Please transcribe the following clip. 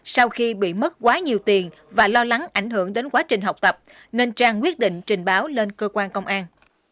sau khi bị mất quá nhiều tiền và lo lắng ảnh hưởng đến quá trình học tập nên trang quyết định trình báo lên cơ quan công an